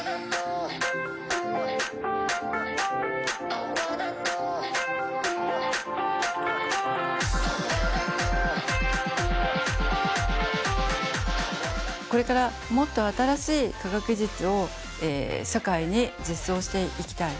特にこれからもっと新しい科学技術を社会に実装していきたい。